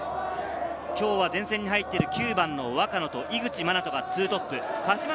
前線に入っている９番の若野と、井口愛翔が２トップ。